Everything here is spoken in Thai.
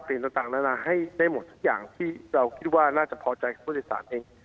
ต่างนานาให้ได้หมดทุกอย่างที่เราคิดว่าน่าจะพอใจกับผู้โดยสารเอง